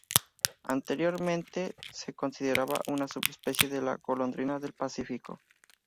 Anteriormente se consideraba una subespecie de la golondrina del Pacífico.